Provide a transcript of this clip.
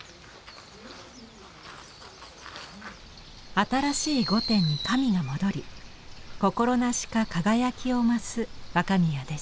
新しい御殿に神が戻り心なしか輝きを増す若宮です。